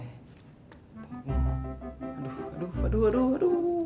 aduh aduh aduh aduh aduh